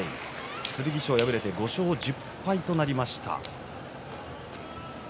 剣翔敗れて５勝１０敗となりました。